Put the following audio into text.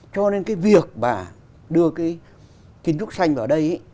cho nên việc đưa kiến trúc xanh vào đây